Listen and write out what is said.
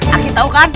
aku tahu kan